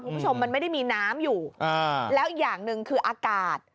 คุณผู้ชมมันไม่ได้มีน้ำอยู่อ่าแล้วอีกอย่างหนึ่งคืออากาศ